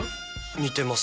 似てます。